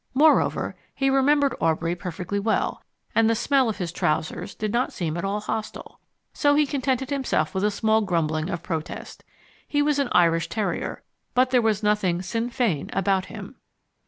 Moreover, he remembered Aubrey perfectly well, and the smell of his trousers did not seem at all hostile. So he contented himself with a small grumbling of protest. He was an Irish terrier, but there was nothing Sinn Fein about him.